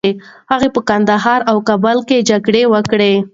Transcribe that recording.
هغه په ننګرهار او کابل کي جګړې وکړې.